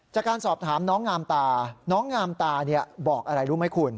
จากการสอบถามน้องงามตาน้องงามตาบอกอะไรรู้ไหมคุณ